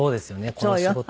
この仕事を。